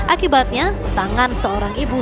akibatnya tangan seorang ibu